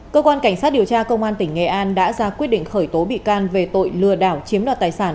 cơ quan cảnh sát điều tra công an tỉnh nghệ an đã ra quyết định khởi tố bị can về tội lừa đảo chiếm đoạt tài sản